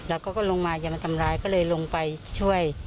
แล้วเขาก็ลงมาอย่ามาทำร้ายก็เลยลงไปช่วย